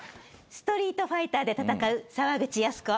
『ストリートファイター』で戦う沢口靖子。